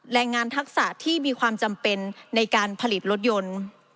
แรงงานทักษะที่มีความจำเป็นในการผลิตรถยนต์